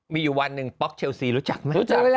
มีอยู่วันหนึ่งป๊อกเชลซีรู้จักไหมรู้จัก